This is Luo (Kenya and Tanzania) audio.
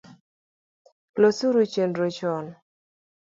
Losuru chenro chon